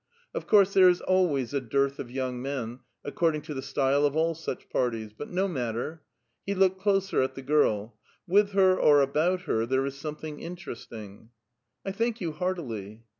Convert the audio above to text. Of course, there is always a dearth of young men, accord ing to the style of all such parties ; but no matter. He looked closer at the girl : with her or about her there is something interesting. "1 thank you heartily."